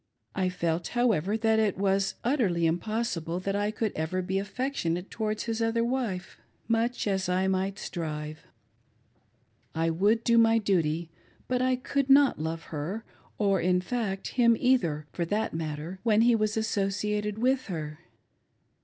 I felt, however, that it was utterly impossible THE FIRST DAILY PAPER JN UTAH. 485 that I could ever be affectionate towards his other wife, much as I might strive. I would do my duty, but I could not loVe her, or, in fact, him either for that matter, when he was asso ciated with her.